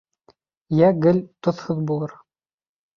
Йә гел тоҙһоҙ булыр.